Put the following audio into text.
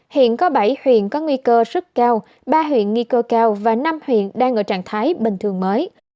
hiện có bảy huyện có nguy cơ rất cao ba huyện nghi cơ cao và năm huyện đang ở trạng thái bình thường mới